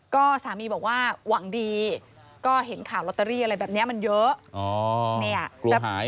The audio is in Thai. ก็สามีบอกว่าหวังดีก็เห็นข่าวลอตเตอรี่อะไรแบบนี้มันเยอะ